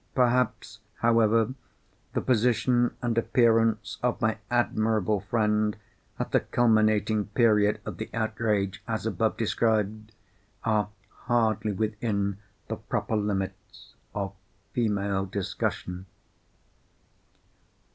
Perhaps, however, the position and appearance of my admirable friend at the culminating period of the outrage (as above described) are hardly within the proper limits of female discussion.